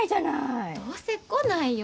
どうせ来ないよ！